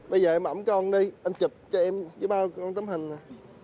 bây giờ em ẩm con đi anh chụp cho em với bao con tấm hình nè